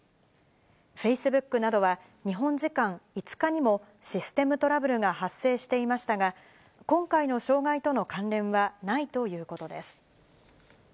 フェイスブックなどは、日本時間５日にも、システムトラブルが発生していましたが、今回の障害との関連はないということです。